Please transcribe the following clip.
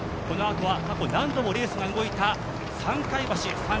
このあとは過去何度もレースが動いた三海橋。